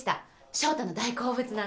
翔太の大好物なんです。